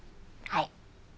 はい。